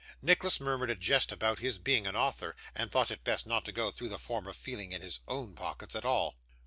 Nicholas murmured a jest about his being an author, and thought it best not to go through the form of feeling in his own pockets at all.